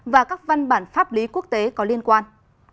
và các văn bản pháp lý quốc tế có liên quan